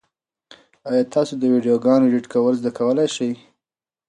ایا تاسو د ویډیوګانو ایډیټ کول زده کولای شئ؟